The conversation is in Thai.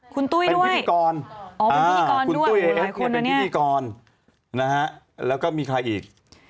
คุณตุ๊ยแอฟเป็นพิธีกรนะฮะแล้วก็มีใครอีก